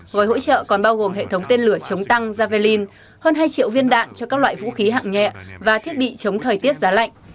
gói hỗ trợ còn bao gồm hệ thống tên lửa chống tăng javelin hơn hai triệu viên đạn cho các loại vũ khí hạng nhẹ và thiết bị chống thời tiết giá lạnh